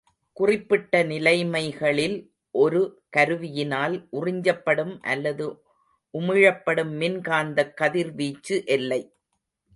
குறிப்பிட்ட நிலைமைகளில் ஒரு கருவியினால் உறிஞ்சப்படும் அல்லது உமிழப்படும் மின்காந்தக் கதிர்வீச்சு எல்லை.